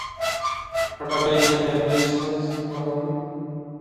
خټکی د معدې ستونزې کموي.